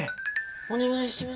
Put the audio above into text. お願いします